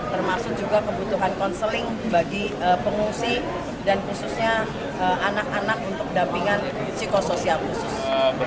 termasuk juga kebutuhan konseling bagi pengungsi dan khususnya anak anak untuk dampingan psikosoial khusus